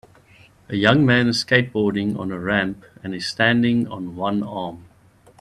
A young man is skateboarding on a ramp and is standing on one arm.